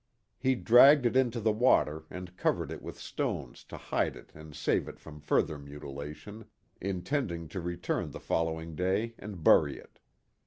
Journal of Arent Van Curler 45 dragged it into the water and covered it with stones to hide it and save it from further mutilation, intending to return the following day and bury it.